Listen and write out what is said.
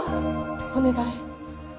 お願い。